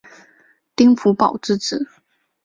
丁福保之子。